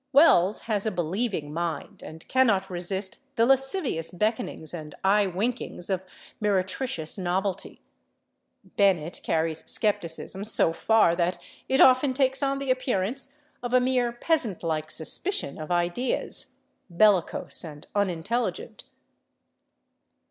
Wells has a believing mind, and cannot resist the lascivious beckonings and eye winkings of meretricious novelty; Bennett carries skepticism so far that it often takes on the appearance of a mere peasant like suspicion of ideas, bellicose and unintelligent.